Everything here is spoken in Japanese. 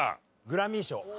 グラミー賞。